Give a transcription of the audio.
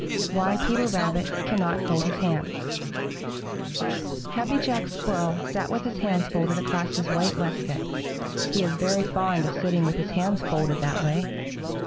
II WHY PETER RABBIT CANNOT FOLD HIS HANDS Happy Jack Squirrel sat with his hands folded across his white waistcoat. He is very fond of sitting with his hands folded that way.